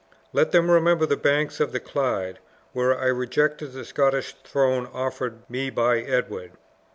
Let them remember the banks of the Clyde, where I rejected the Scottish throne offered me by Edward!